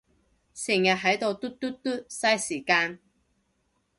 成日係到嘟嘟嘟，晒時間